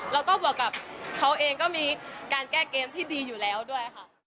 แล้วก็บวกกับเขาเองก็มีการแก้เกมที่ดีอยู่แล้วด้วยค่ะ